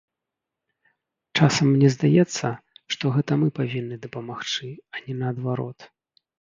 Часам мне здаецца, што гэта мы павінны дапамагчы, а не наадварот.